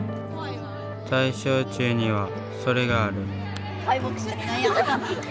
大正中にはそれがある。